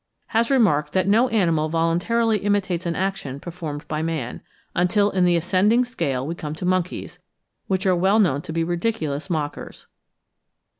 has remarked that no animal voluntarily imitates an action performed by man, until in the ascending scale we come to monkeys, which are well known to be ridiculous mockers.